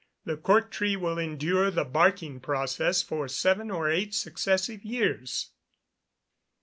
The cork tree will endure the barking process for seven or eight successive years.